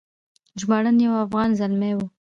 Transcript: ژباړن یو افغان زلمی و.